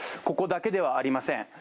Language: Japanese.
ここだけではありません。